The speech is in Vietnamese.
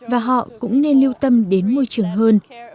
và họ cũng nên lưu tâm đến môi trường hơn